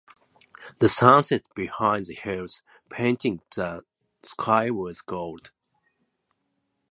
The sun set behind the hills, painting the sky with gold.